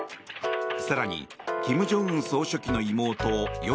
更に、金正恩総書記の妹与